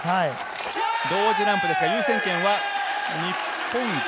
同時ランプですが優先権は、日本？